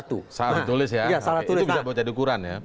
itu bisa menjadi ukuran ya